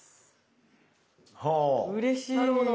うれしい。